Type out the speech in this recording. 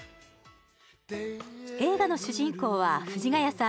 映画の主人公は藤ヶ谷さん